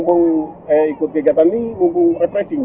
karena ikut kegiatan ini mumpung refreshing